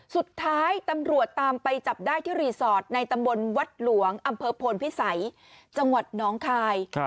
สุดท้ายตำรวจตามไปจับได้ที่รีสอร์ทในตำบลวัดหลวงอำเภอโพนพิสัยจังหวัดน้องคาย